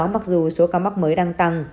mặc dù số ca mắc mới đang tăng